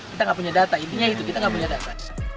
kita nggak punya data intinya itu kita nggak punya data